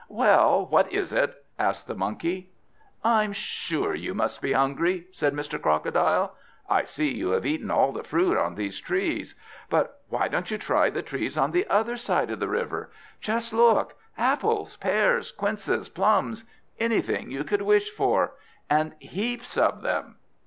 "Well, what is it?" asked the Monkey. "I'm sure you must be hungry," said Mr. Crocodile. "I see you have eaten all the fruit on these trees; but why don't you try the trees on the other side of the river? Just look, apples, pears, quinces, plums, anything you could wish for! And heaps of them!"